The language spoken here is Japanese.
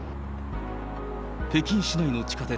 北京市内の地下鉄